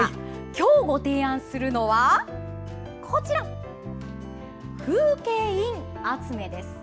今日ご提案するのは、こちら風景印集めです。